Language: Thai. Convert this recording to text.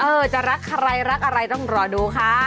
จะรักใครรักอะไรต้องรอดูค่ะ